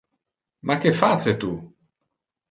Ma que face tu?